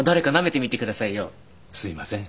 すいません。